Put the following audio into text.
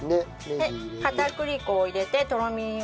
で片栗粉を入れてとろみを。